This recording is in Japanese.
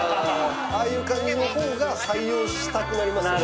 ああいう感じのほうが採用したくなりますよね。